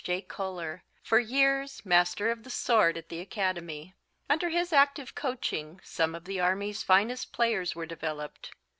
J. Koehler, for years Master of the Sword at the Academy. Under his active coaching some of the Army's finest players were developed.